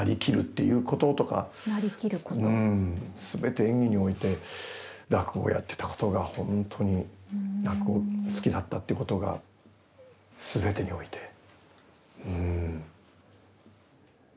全て演技において落語をやっていたことが本当に落語好きだったっていうことが全てにおいてうん。